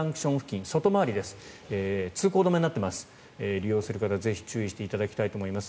利用する方ぜひ注意していただきたいと思います。